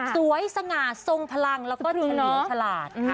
สวยสง่าทรงพลังแล้วก็ศึกลิ้วฉลาด